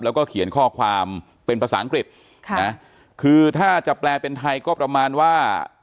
แล้วก็เขียนข้อความเป็นภาษาอังกฤษค่ะนะคือถ้าจะแปลเป็นไทยก็ประมาณว่า